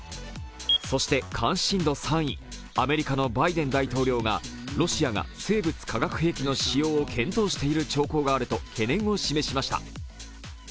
そして関心度３位、アメリカのバイデン大統領がロシアが生物・化学兵器の使用を検討している兆候があると懸念を示しました。